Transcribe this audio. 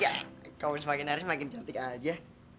ya kau semakin naris makin cantik aja